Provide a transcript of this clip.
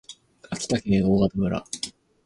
秋田県大潟村